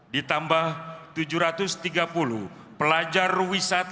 ditambah tujuh ratus tiga puluh pelajar wisata